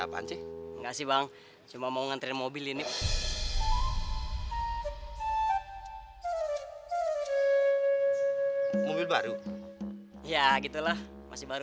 apaan sih enggak sih bang cuma mau ngantri mobil ini mobil baru ya gitulah masih baru